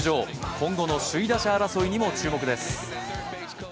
今後の首位打者争いにも注目です。